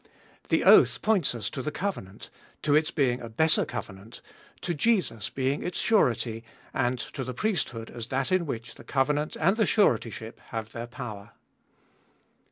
The oath points us to 248 abe Ifooliest of Bll the covenant, to its being a better covenant, to Jesus being its surety, and to the priesthood as that in which the covenant and the suretyship have their power.